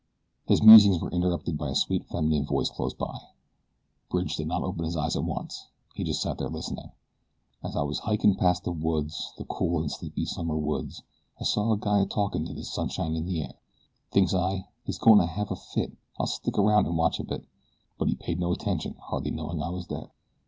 His musings were interrupted by a sweet feminine voice close by. Bridge did not open his eyes at once he just sat there, listening. As I was hiking past the woods, the cool and sleepy summer woods, I saw a guy a talking to the sunshine in the air, Thinks I, "He's going to have a fit I'll stick around and watch a bit," But he paid no attention, hardly knowing I was there.